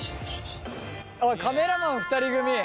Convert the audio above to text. おいカメラマン２人組！